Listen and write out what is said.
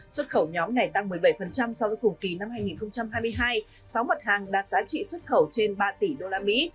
xuất khẩu nhóm này tăng một mươi bảy so với cùng kỳ năm hai nghìn hai mươi hai sáu mặt hàng đạt giá trị xuất khẩu trên ba tỷ đô la mỹ